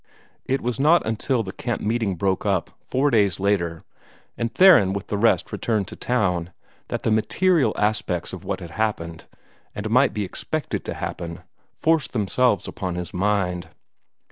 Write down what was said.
It was not until the camp meeting broke up, four days later, and Theron with the rest returned to town, that the material aspects of what had happened, and might be expected to happen, forced themselves upon his mind.